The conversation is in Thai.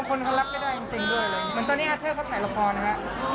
คนเขารับไม่ได้จริงจริงด้วยเลยเหมือนตอนนี้อาเทอร์เขาถ่ายละครนะฮะ